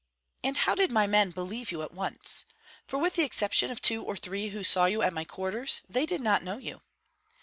"And how did my men believe you at once? For, with the exception of two or three who saw you at my quarters, they did not know you."